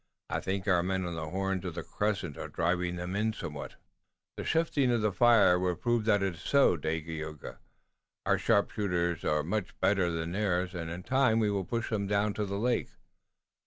I think our men on the horns of the crescent are driving them in somewhat." "The shifting of the firing would prove that it is so, Dagaeoga. Our sharpshooting is much better than theirs, and in time we will push them down to the lake.